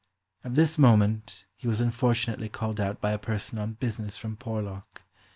At this moment he was unfortunately called out by a person on business from Por lock.